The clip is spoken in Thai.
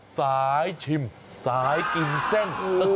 สายชิมสายกินเส้น